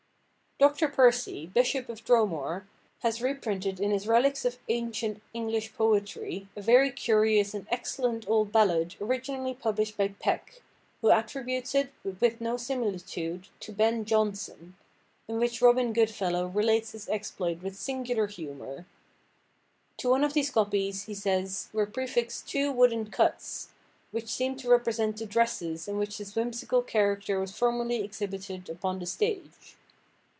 Doctor Percy, Bishop of Dromore, has reprinted in his Reliques of Ancient English Poetry a very curious and excellent old ballad originally published by Peck, who attributes it, but with no similitude, to Ben Jonson, in which Robin Good–fellow relates his exploits with singular humour. To one of these copies, he says, "were prefixed two wooden cuts, which seem to represent the dresses in which this whimsical character was formerly exhibited upon the stage."